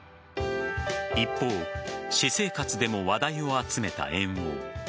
一方私生活でも話題を集めた猿翁。